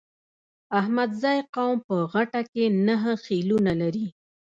احمدزی قوم په غټه کې نهه خيلونه لري.